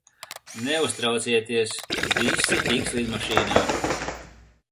Neuztraucieties, visi tiks lidmašīnā.